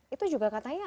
itu juga katanya